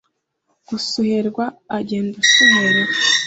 gusuherwa agenda asuherewe